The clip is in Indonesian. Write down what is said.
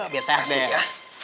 biar sehasi ya